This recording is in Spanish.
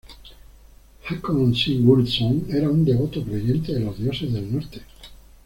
Håkon Sigurdsson era un devoto creyente de los dioses del norte.